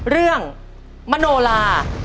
เรื่องมโนลา